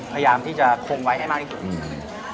พยายามที่จะคงไว้ให้มากที่สุด